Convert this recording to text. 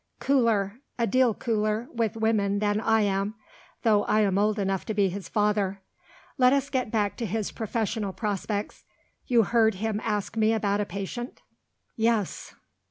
Cooler, a deal cooler, with women than I am though I am old enough to be his father. Let us get back to his professional prospects. You heard him ask me about a patient?" "Yes."